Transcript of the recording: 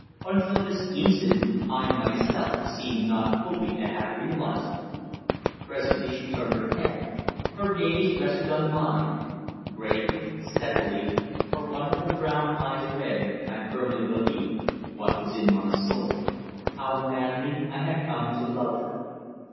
Until this instant I myself seemed not fully to have realized it. Presently she turned her head. Her gaze rested on mine. Gravely, steadily, her wonderful brown eyes read I firmly believe what was in my soul: how madly I had come to love her.